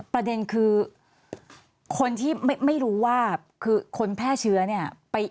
ประเด็นคือคนที่ไม่รู้ว่าคือคนแพร่เชื้อเนี่ย